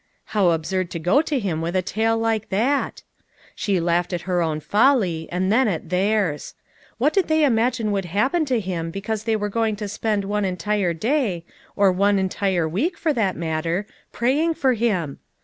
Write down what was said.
1 ' How absurd to go to him with a tale like that! She laughed at her own folly, and then at theirs. What did they imagine would happen to him because they were going to spend one entire day, or one en tire week for that matter, praying for him!